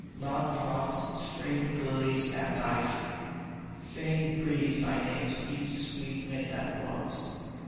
Love drops its fragrant lilies at thy feet ; Fame breathes thy name to each sweet wind that blbws.